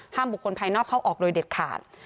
บุคคลภายนอกเข้าออกโดยเด็ดขาด